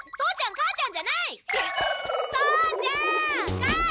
母ちゃん！